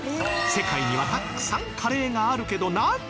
世界にはたくさんカレーがあるけど上村さん